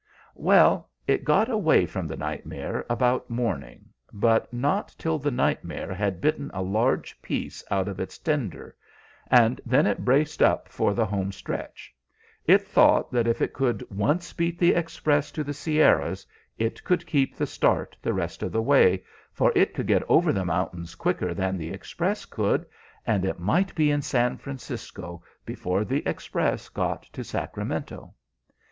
"Well, it got away from the nightmare about morning, but not till the nightmare had bitten a large piece out of its tender, and then it braced up for the home stretch. It thought that if it could once beat the Express to the Sierras, it could keep the start the rest of the way, for it could get over the mountains quicker than the Express could, and it might be in San Francisco before the Express got to Sacramento.